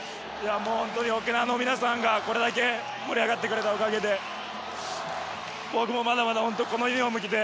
沖縄の皆さんがこれだけ盛り上がってくれたおかげで僕もまだまだこのユニホームを着て